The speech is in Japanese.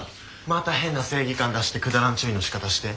また変な正義感出してくだらん注意のしかたして。